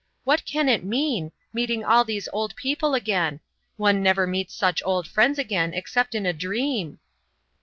What can it mean meeting all these old people again? One never meets such old friends again except in a dream."